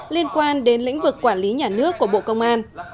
liên quan đến lĩnh vực quản lý nhà nước của bộ công an